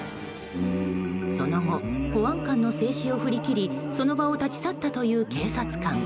その後、保安官の制止を振り切りその場を立ち去ったという警察官。